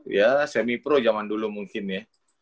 ya semi pro zaman dulu mungkin ya